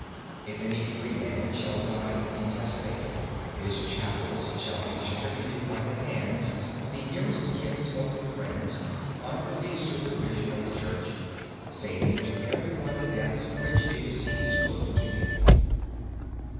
"If any freeman shall die intestate, his chattels shall be distributed by the hands of the nearest kinsfolk and friends, under the supervision of the church, saving to everyone the debts which the deceased owed to him.